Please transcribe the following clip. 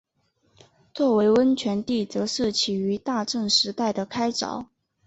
作为温泉地则是起于大正时代的开凿。